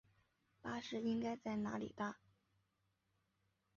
巴士应该在哪里搭？